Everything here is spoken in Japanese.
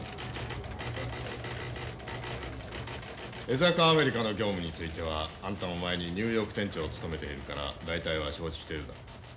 江坂アメリカの業務についてはあんたも前にニューヨーク店長を務めているから大体は承知してるだろう。